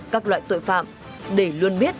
các loại tội phạm để luôn biết